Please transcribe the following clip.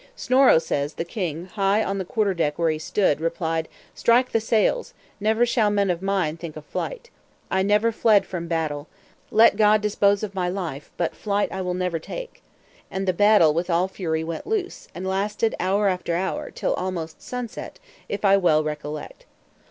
Snorro says, the king, high on the quarter deck where he stood, replied, "Strike the sails; never shall men of mine think of flight. I never fled from battle. Let God dispose of my life; but flight I will never take." And so the battle arrangements immediately began, and the battle with all fury went loose; and lasted hour after hour, till almost sunset, if I well recollect.